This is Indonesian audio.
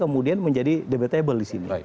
kemudian menjadi debatable di sini